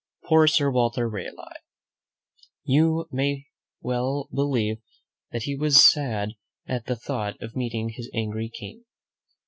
Poor Sir Walter Raleigh! — you may well believe that he was sad at the thought of meet ing his angry King.